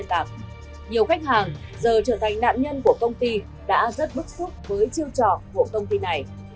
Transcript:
nhiều khách hàng giờ trở thành nạn nhân của công ty đã rất bức xúc với chiêu trò của công ty này